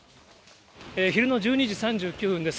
昼の１２時３９分です。